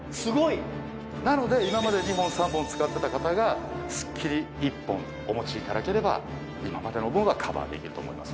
なので今まで２本３本使ってた方がすっきり１本お持ちいただければ今までの分はカバーできると思います。